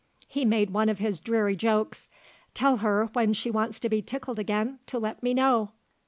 He made one of his dreary jokes. "Tell her, when she wants to be tickled again, to let me know.